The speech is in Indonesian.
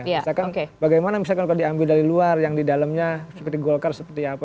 misalkan bagaimana misalkan kalau diambil dari luar yang di dalamnya seperti golkar seperti apa